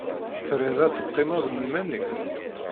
Triḍ ad teqqimeḍ i yiman-nnek?